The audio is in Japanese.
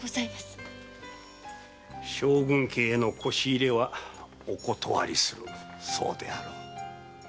将軍家への輿入れはお断りするそうであろう？